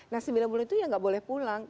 nah sembilan bulan itu ya nggak boleh pulang